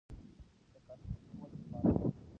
د قانون پلي کول ثبات غواړي